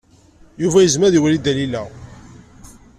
Yuba yezmer ad iwali Dalila.